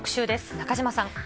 中島さん。